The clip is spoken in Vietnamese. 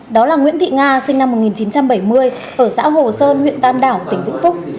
đó là nguyễn thị nga sinh năm một nghìn chín trăm bảy mươi ở xã hồ sơn huyện tam đảo tỉnh vĩnh phúc